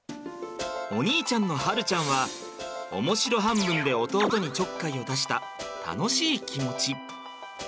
お兄ちゃんの晴ちゃんは面白半分で弟にちょっかいを出した楽しい気持ち。